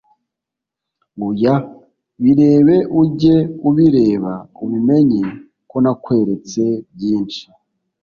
oya, birebe ujye ubireba, ubimenye ko nakweretse byinshi,